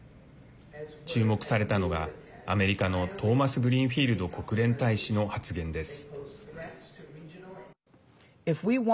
注目されたのが、アメリカのトーマスグリーンフィールド国連大使の発言です。